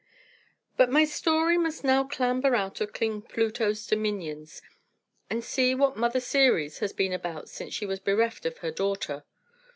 But my story must now clamber out of King Pluto's dominions, and see what Mother Ceres has been about since she was bereft of her daughter.